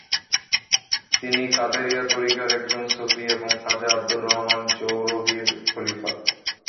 তিনি কাদেরিয়া ত্বরিকার একজন সুফি এবং খাজা আবদুর রহমান চৌহরভীর খলিফা।